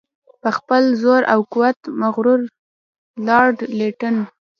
په خپل زور او قوت مغرور لارډ لیټن.